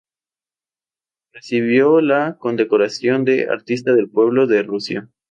Recibió la condecoración de Artista del Pueblo de Rusia.